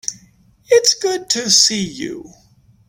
It's good to see you.